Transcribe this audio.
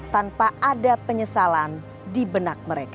tanpa ada penyesalan di benak mereka